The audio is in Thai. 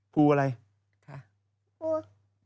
ครับ